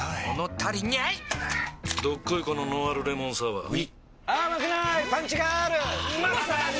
どっこいこのノンアルレモンサワーうぃまさに！